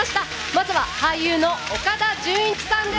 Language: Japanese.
まずは俳優の岡田准一さんです。